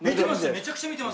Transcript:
めちゃくちゃ見てます。